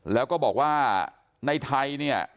แล้วก็บอกว่าในไทยเนี่ย